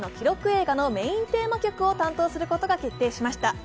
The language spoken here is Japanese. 映画のメーンテーマ曲を担当することが決定しました。